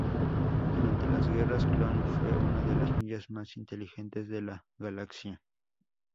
Durante las Guerras Clon, fue una de las niñas más inteligentes de la galaxia.